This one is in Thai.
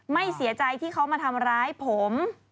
ไม่เสียใจที่เขามาทำร้ายผม